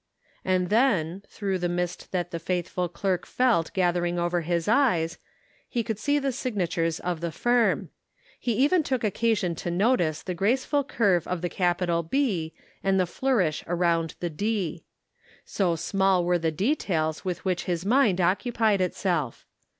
And then, through the mist that the faithful clerk felt gathering over his eyes, he could 342 The Pocket Measure. see the signature of the firm ; he even took occasion to notice the graceful curve of the capital B, and the flourish around the D. So small were the details with which his mind occupied itself